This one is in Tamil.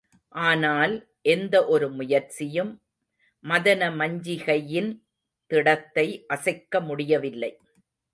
ஆனால் எந்த ஒரு முயற்சியும் மதனமஞ்சிகையின் திடத்தை அசைக்க முடியவில்லை.